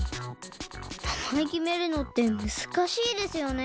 なまえきめるのってむずかしいですよね。